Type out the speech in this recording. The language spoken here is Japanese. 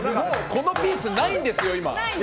このピースないんですよ。